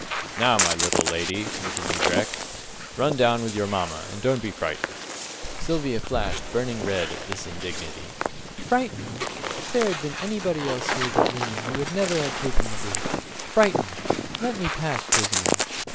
"Now, my little lady," continued Rex, "run down with your mamma, and don't be frightened." Sylvia flashed burning red at this indignity. "Frightened! If there had been anybody else here but women, you never would have taken the brig. Frightened! Let me pass, prisoner!"